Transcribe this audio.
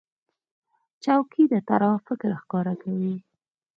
چوکۍ د طراح فکر ښکاره کوي.